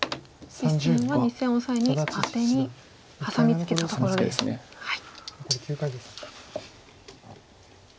実戦は２線オサエにアテにハサミツケたところです。